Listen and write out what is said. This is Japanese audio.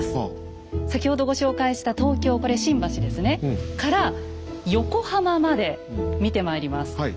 先ほどご紹介した東京これ新橋ですねから横浜まで見てまいります。